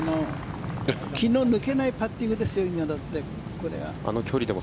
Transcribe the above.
気の抜けないパッティングですよ、今のでも。